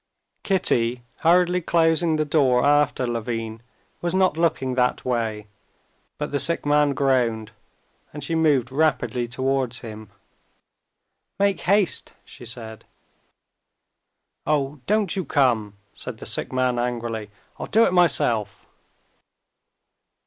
Kitty, hurriedly closing the door after Levin, was not looking that way; but the sick man groaned, and she moved rapidly towards him. "Make haste," she said. "Oh, don't you come," said the sick man angrily. "I'll do it my myself...."